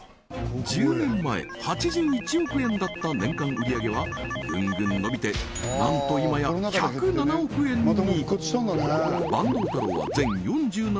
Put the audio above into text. １０年前８１億円だった年間売上げはぐんぐん伸びて何と今や１０７億円に！